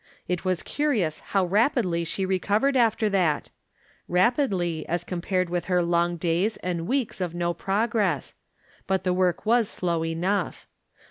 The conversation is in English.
It was curious how rapidly she recov ered after that ! rapidly, as compared with her long days and weeks of no progress ; but the work was slow enough.